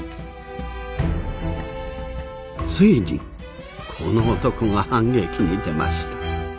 ついにこの男が反撃に出ました。